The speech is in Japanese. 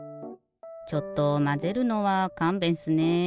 ちょっとまぜるのはかんべんっすね。